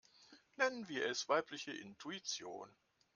Nennen wir es weibliche Intuition.